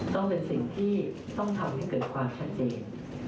ต้องเป็นสิ่งที่ต้องทำให้เกิดความชัดเจน